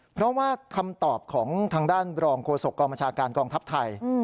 เพราะว่าคำตอบของทางด้านรองโฆษกองบัญชาการกองทัพไทย